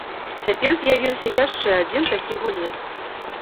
Цяпер з'явіўся яшчэ адзін такі гулец.